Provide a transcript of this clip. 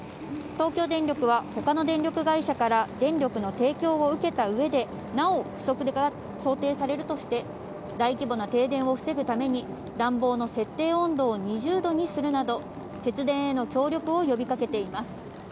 東京電力は他の電力会社から電力の提供を受けた上でなお不足が想定されるとして、大規模な停電を防ぐために暖房の設定温度を２０度にするなど節電への協力を呼びかけています。